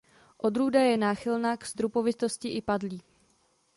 Odrůda je náchylná k strupovitosti i padlí.